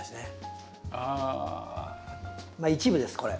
まあ一部ですこれ。